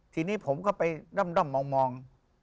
ทีนี้ผมก็ไปด้อมมอง